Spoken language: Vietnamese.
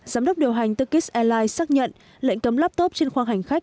giám đốc điều hành turkis airlines xác nhận lệnh cấm laptop trên khoang hành khách